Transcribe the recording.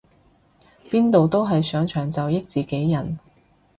邊度都係上場就益自己人